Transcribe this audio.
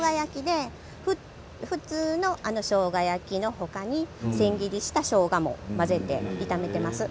普通のしょうが焼きの他に千切りしたしょうがも混ぜて炒めています。